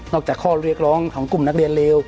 จากข้อเรียกร้องของกลุ่มนักเรียนเลว